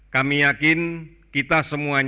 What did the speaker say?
kami ingin membuat kemas kesehatan